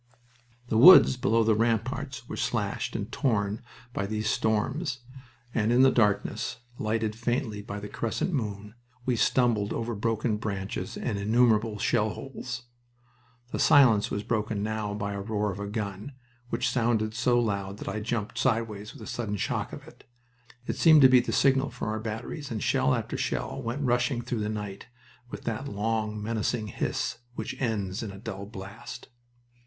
The woods below the ramparts were slashed and torn by these storms, and in the darkness, lightened faintly by the crescent moon, we stumbled over broken branches and innumerable shell holes. The silence was broken now by the roar of a gun, which sounded so loud that I jumped sideways with the sudden shock of it. It seemed to be the signal for our batteries, and shell after shell went rushing through the night, with that long, menacing hiss which ends in a dull blast.